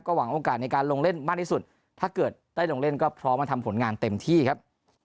หวังโอกาสในการลงเล่นมากที่สุดถ้าเกิดได้ลงเล่นก็พร้อมมาทำผลงานเต็มที่ครับ